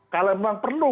kalau memang perlu